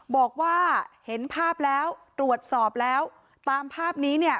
บอกว่าเห็นภาพแล้วตรวจสอบแล้วตามภาพนี้เนี่ย